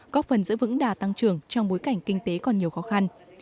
góp phần giữ vững đà tăng trưởng trong bối cảnh kinh tế còn nhiều khó khăn